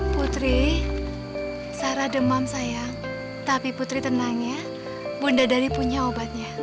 putri sarah demam sayang tapi putri tenang ya bunda dari punya obatnya